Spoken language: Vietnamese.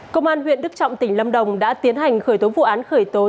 công an huyện đức trọng tỉnh lâm đồng đã tiến hành khởi tối vụ án khởi tối